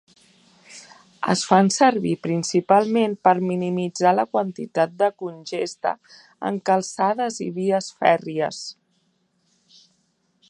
Es fan servir principalment per minimitzar la quantitat de congesta en calçades i vies fèrries.